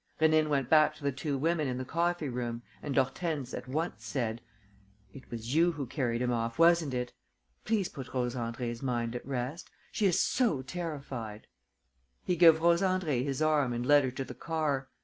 Rénine went back to the two women in the coffee room and Hortense at once said: "It was you who carried him off, wasn't it? Please put Rose Andrée's mind at rest. She is so terrified!" He gave Rose Andrée his arm and led her to the car.